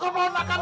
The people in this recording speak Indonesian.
kau potongkan aku